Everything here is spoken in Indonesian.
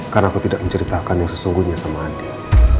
karena aku tidak menceritakan yang sesungguhnya sama andin